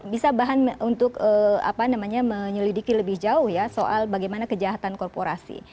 bisa bahan untuk menyelidiki lebih jauh ya soal bagaimana kejahatan korporasi